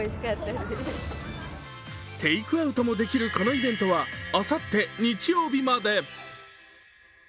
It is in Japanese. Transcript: テイクアウトもできるこのイベントはあさって日曜日まで。